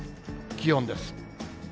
気温です。